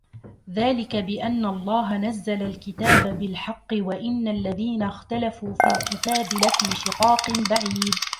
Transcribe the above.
ذَلِكَ بِأَنَّ اللَّهَ نَزَّلَ الْكِتَابَ بِالْحَقِّ وَإِنَّ الَّذِينَ اخْتَلَفُوا فِي الْكِتَابِ لَفِي شِقَاقٍ بَعِيدٍ